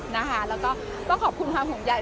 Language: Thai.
แล้วก็ต้องขอบคุณความห่วงใหญ่